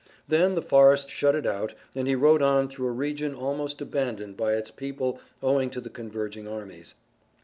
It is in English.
Then the forest shut it out and he rode on through a region almost abandoned by its people owing to the converging armies.